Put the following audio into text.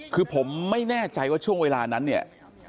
คือผมไม่แน่ใจว่าช่วงเวลานั้นเนี่ย